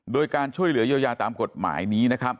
โดยการช่วยเหลือยโยยาตามกฎหมายนี้